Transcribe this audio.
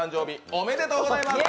ありがとうございます。